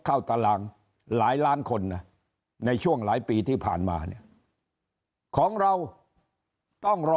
เข้าตารางหลายล้านคนในช่วงหลายปีที่ผ่านมาของเราต้องรอ